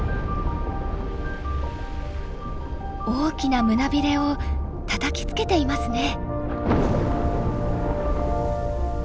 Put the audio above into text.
大きな胸ビレをたたきつけていますね！